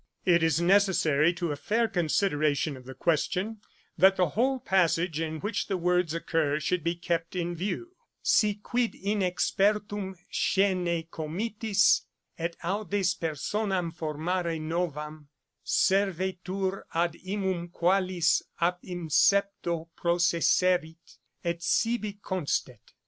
It is necessary to a fair consideration of the question, that the whole passage in which the words occur should be kept in view: 'Si quid inexpertum scenae committis, et audes Personam formare novam, servetur ad imum Qualis ab incepto processerit, et sibi constet.